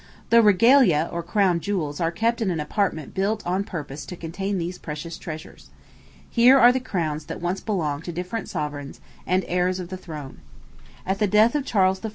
The regalia, or crown jewels, are kept in an apartment built on purpose to contain these precious treasures. Here are the crowns that once belonged to different sovereigns and heirs of the throne. At the death of Charles I.